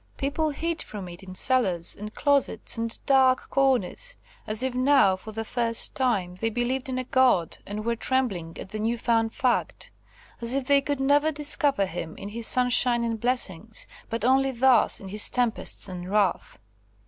People hid from it in cellars, and closets, and dark corners, as if now, for the first time, they believed in a God, and were trembling at the newfound fact; as if they could never discover Him in His sunshine and blessings, but only thus in His tempests and wrath.